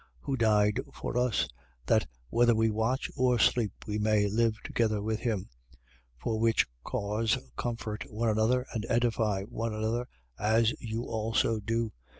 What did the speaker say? Who died for us: that, whether we watch or sleep, we may live together with him. 5:11. For which cause comfort one another and edify one another, as you also do.